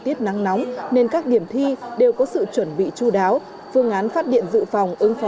tiết nắng nóng nên các điểm thi đều có sự chuẩn bị chú đáo phương án phát điện dự phòng ứng phó